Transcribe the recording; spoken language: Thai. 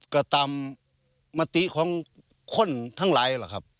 ก็ตามมติของคนทั้งหลายล่ะครับ